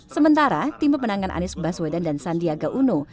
sementara tim pemenangan anies baswedan dan sandiaga uno